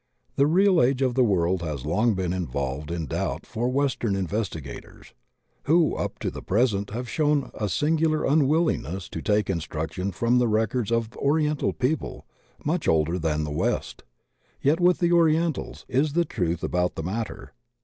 The real age of the world has long been involved in doubt for Western investigators, who up to the present have shown a singular imwiUingness to take instruction from the records of Oriental people much older than the West. Yet with the Orientals is the trudi about the matter.